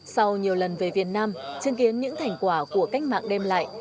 sau nhiều lần về việt nam chứng kiến những thành quả của cách mạng đem lại